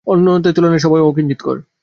অনন্তের সহিত তুলনায় সবই অকিঞ্চিৎকর।